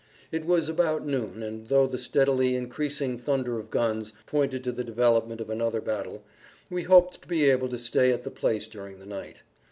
It was about noon, and though the steadily increasing thunder of guns pointed to the development of another battle, we hoped to be able to stay at the place during the night.